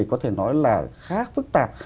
có thể nói là khá phức tạp